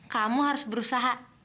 kamu harus berusaha